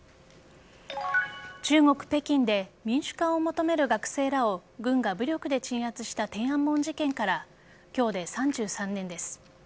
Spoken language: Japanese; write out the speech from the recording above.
中国・北京で民主化を求める学生らを軍が武力で鎮圧した天安門事件から今日で３３年です。